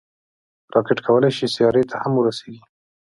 راکټ کولی شي سیارې هم ورسیږي